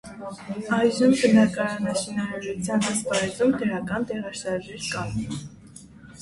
Այժմ բնակարանաշինարարության ասպարեզում դրական տեղաշարժեր կան։